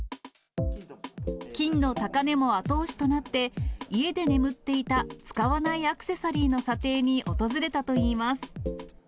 金の高値も後押しとなって、家で眠っていた使わないアクセサリーの査定に訪れたといいます。